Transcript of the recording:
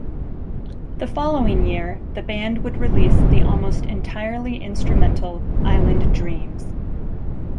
The following year, the band would release the almost entirely instrumental "Island Dreams".